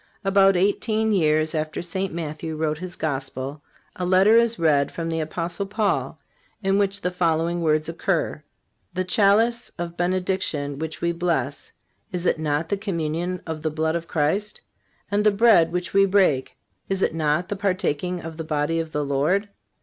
About eighteen years after St. Matthew wrote his Gospel, a letter is read from the Apostle Paul, in which the following words occur: "The chalice of benediction which we bless, is it not the communion of the blood of Christ? and the bread which we break, is it not the partaking of the body of the Lord?...